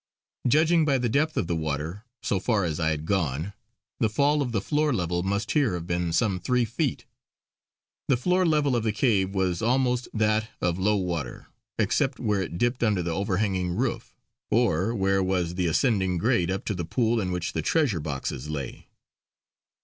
Judging by the depth of the water, so far as I had gone, the fall of the floor level must here have been some three feet. The floor level of the cave was almost that of low water, except where it dipped under the overhanging roof, or where was the ascending grade up to the pool in which the treasure boxes lay.